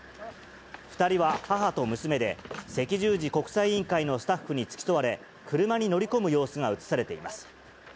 ２人は母と娘で、赤十字国際委員会のスタッフに付き添われ、車に乗り込む様子が映されています。